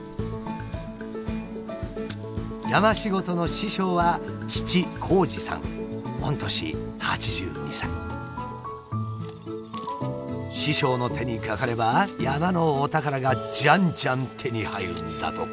山仕事の師匠は師匠の手にかかれば山のお宝がじゃんじゃん手に入るんだとか。